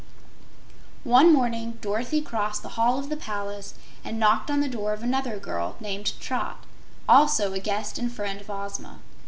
One morning Dorothy crossed the hall of the palace and knocked on the door of another girl named Trot, also a guest and friend of Ozma.